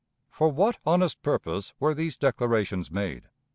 For what honest purpose were these declarations made?